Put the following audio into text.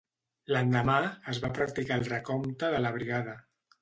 L'endemà, es va practicar el recompte de la brigada.